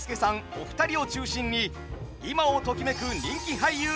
お二人を中心に今をときめく人気俳優が勢ぞろい。